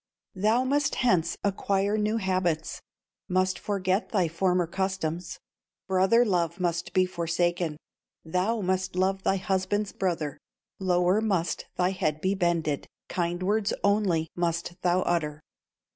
"Thou must hence acquire new habits, Must forget thy former customs, Brother love must be forsaken, Thou must love thy husband's brother, Lower must thy head be bended, Kind words only must thou utter.